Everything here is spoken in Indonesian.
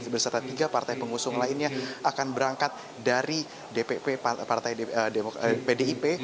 berserta tiga partai pengusung lainnya akan berangkat dari dpp partai pdip